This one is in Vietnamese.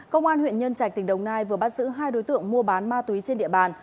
công an huyện nhân trạch tỉnh đồng nai vừa bắt giữ hai đối tượng mua bán ma túy trên địa bàn